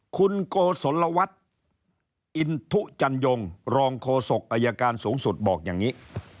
คุณโกศลวัฒน์อินทุจันยงรองโฆษกอายการสูงสุดบอกอย่างนี้